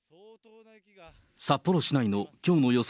札幌市内のきょうの予想